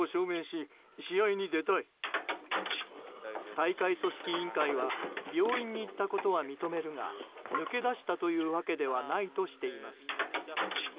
大会組織委員会は病院に行ったことは認めるが抜け出したというわけではないとしています。